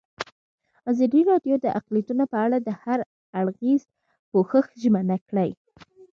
ازادي راډیو د اقلیتونه په اړه د هر اړخیز پوښښ ژمنه کړې.